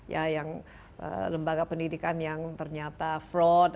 ya yang lembaga pendidikan yang ternyata fraud